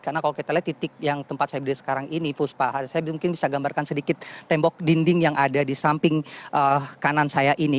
karena kalau kita lihat titik yang tempat saya berdiri sekarang ini saya mungkin bisa gambarkan sedikit tembok dinding yang ada di samping kanan saya ini